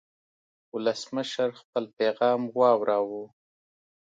ولسمشر خپل پیغام واوراوه.